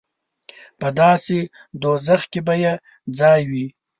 په داسې دوزخ کې به یې ځای وي.